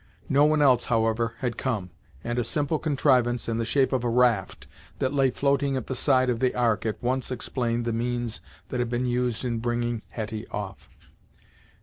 No one else, however, had come, and a simple contrivance, in the shape of a raft, that lay floating at the side of the Ark, at once explained the means that had been used in bringing Hetty off.